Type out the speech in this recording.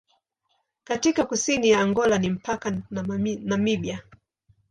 Katika kusini ya Angola ni mpaka na Namibia.